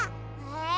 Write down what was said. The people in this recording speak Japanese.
え？